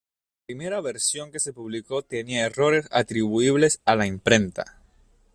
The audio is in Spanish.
La primera versión que se publicó tenía errores atribuibles a la imprenta.